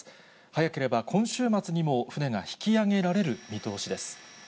早ければ今週末にも船が引き揚げられる見通しです。